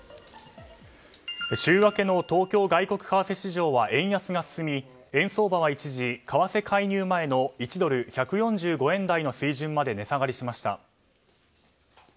週明けの東京外国為替市場は円安が進み円相場は一時、為替介入前の１ドル＝１４５円台の水準まで値下がりしました。